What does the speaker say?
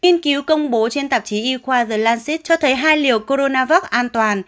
nghiên cứu công bố trên tạp chí e quad the lancet cho thấy hai liều coronavac an toàn